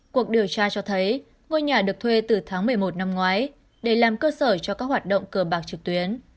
cuộc điều tra cho thấy ngôi nhà được thuê từ tháng một mươi một năm ngoái để làm cơ sở cho các hoạt động cờ bạc trực tuyến